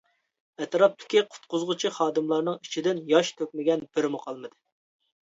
ئەتراپتىكى قۇتقۇزغۇچى خادىملارنىڭ ئىچىدىن ياش تۆكمىگەن بىرىمۇ قالمىدى.